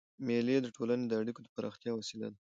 مېلې د ټولني د اړیکو د پراختیا وسیله ده.